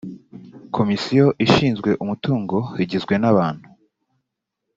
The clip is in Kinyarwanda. komisiyo ishinzwe umutungo igizwe n abantu